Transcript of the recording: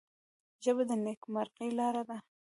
ژبه د نیکمرغۍ لاره ده